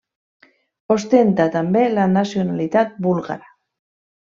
Ostenta també la nacionalitat búlgara.